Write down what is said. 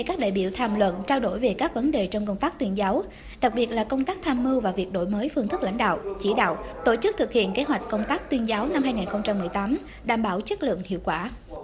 các đại biểu tham luận trao đổi về các vấn đề trong công tác tuyên giáo đặc biệt là công tác tham mưu và việc đổi mới phương thức lãnh đạo chỉ đạo tổ chức thực hiện kế hoạch công tác tuyên giáo năm hai nghìn một mươi tám đảm bảo chất lượng hiệu quả